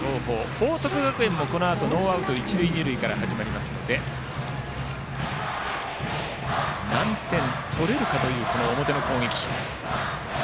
報徳学園もこのあとノーアウト、一塁二塁から始まりますので何点取れるかという表の攻撃。